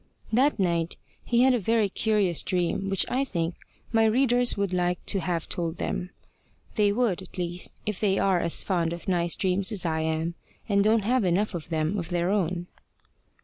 That night he had a very curious dream which I think my readers would like to have told them. They would, at least, if they are as fond of nice dreams as I am, and don't have enough of them of their own.